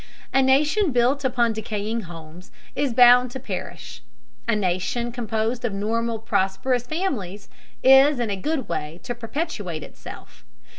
A nation built upon decaying homes is bound to perish; a nation composed of normal prosperous families is in a good way to perpetuate itself.